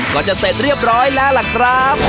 ก็จะเสร็จเรียบร้อยแล้วล่ะครับ